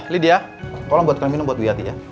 lidia kolam buat kalian minum buat bu yati ya